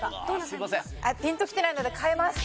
ピンときてないので変えます。